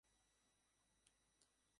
এটি চীনের একটি প্রধান প্রস্তুতকারক এলাকা।